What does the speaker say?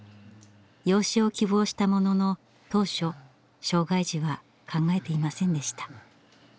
養子を希望したものの当初障害児は考えていませんでした。